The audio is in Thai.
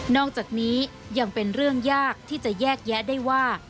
อกจากนี้ยังเป็นเรื่องยากที่จะแยกแยะได้ว่า